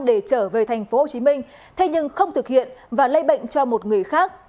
để trở về tp hồ chí minh thế nhưng không thực hiện và lây bệnh cho một người khác